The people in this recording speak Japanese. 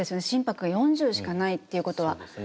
心拍が４０しかないっていうことは。